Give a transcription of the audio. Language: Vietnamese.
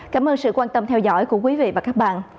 cảm ơn sự quan tâm theo dõi của quý vị và các bạn